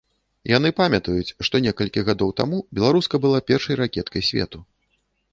Яны памятаюць, што некалькі гадоў таму беларуска была першай ракеткай свету.